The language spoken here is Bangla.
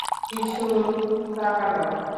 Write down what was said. কিছু টাকা দাও।